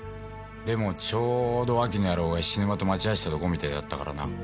でもちょうど脇の野郎が菱沼と待ち合わしてたとこみてぇだったからな。